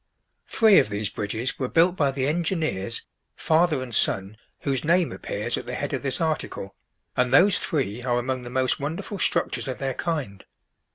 Three of these bridges were built by the engineers, father and son, whose name appears at the head of this article, and those three are among the most wonderful structures of their kind.